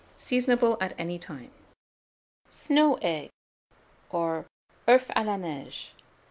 Seasonable at any time. SNOW EGGS, or OEUFS A LA NEIGE.